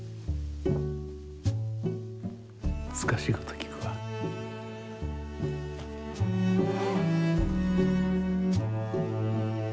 むずかしいこときくわ。